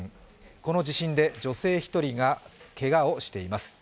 この地震で女性１人がけがをしています。